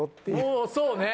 おそうね。